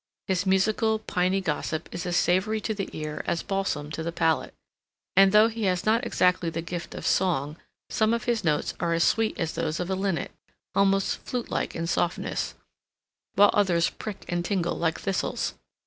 His musical, piny gossip is as savory to the ear as balsam to the palate; and, though he has not exactly the gift of song, some of his notes are as sweet as those of a linnet—almost flute like in softness, while others prick and tingle like thistles.